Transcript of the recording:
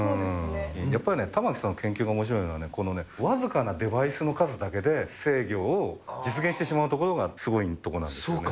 やっぱりね、玉城さんの研究がおもしろいのは、この僅かなデバイスの数だけで制御を実現してしまうところがすごそうか。